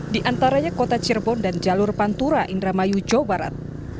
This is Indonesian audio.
di antaranya kota cirebon dan jalur pantura indramayu jawa barat